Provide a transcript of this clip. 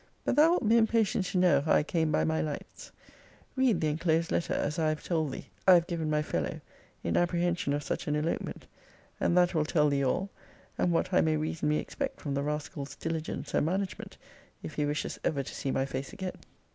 But thou wilt be impatient to know how I came by my lights. Read the enclosed letter, as I have told thee, I have given my fellow, in apprehension of such an elopement; and that will tell thee all, and what I may reasonably expect from the rascal's diligence and management, if he wishes ever to see my face again.